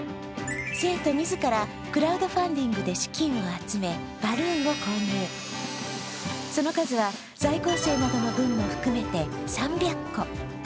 生徒自らクラウドファンディングで資金を集め、バルーンを購入、その数は在校生などの分も含めて３００個。